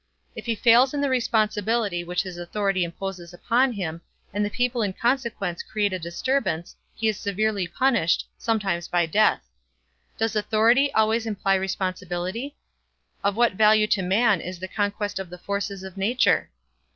If he fails in the responsibility which his authority imposes upon him, and the people in consequence create a disturbance, he is severely punished, sometimes by death. Does authority always imply responsibility? Of what value to man is the conquest of the forces of nature?